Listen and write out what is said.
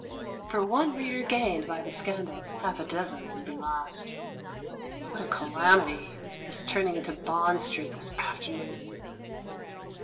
For one reader gained by the scan dal, half a dozen would be lost. What a calamity, his turning into Bond Street this afternoon!